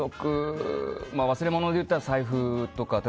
忘れ物でいったら財布とか。